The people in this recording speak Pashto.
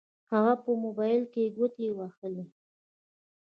هغه په موبايل کې ګوتې ووهلې.